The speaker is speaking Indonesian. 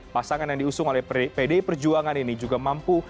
pasangan yang diusung oleh pdi perjuangan ini juga mampu